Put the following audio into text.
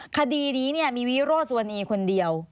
คดีนี้มีวิโรธสุวรรณีคนเดียว